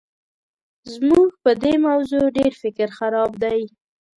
زموږ په دې موضوع ډېر فکر خراب دی.